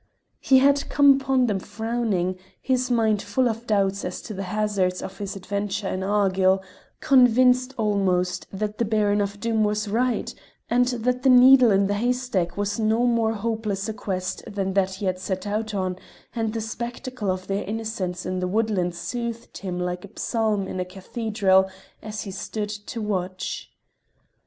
He had come upon them frowning, his mind full of doubts as to the hazards of his adventure in Argyll, convinced almost that the Baron of Doom was right, and that the needle in the haystack was no more hopeless a quest than that he had set out on, and the spectacle of their innocence in the woodland soothed him like a psalm in a cathedral as he stood to watch.